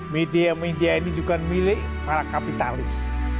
media media ini juga milik para kapitalis